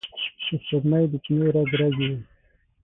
د سپوږمۍ د چېنو رګ، رګ یې،